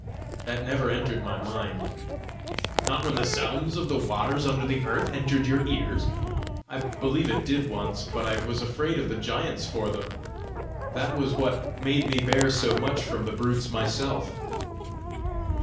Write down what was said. "That never entered my mind!" "Not when the sounds of the waters under the earth entered your ears?" "I believe it did once. But I was afraid of the giants for them. That was what made me bear so much from the brutes myself!"